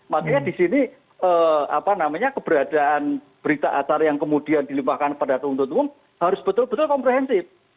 makanya di sini apa namanya keberadaan berita acara yang kemudian dilimpahkan pada tunggu tunggu harus betul betul komprehensif